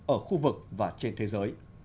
ở khu vực và trên thế giới